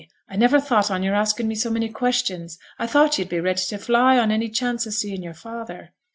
I never thought on yo'r asking me so many questions. I thought yo'd be ready to fly on any chance o' seeing your father.'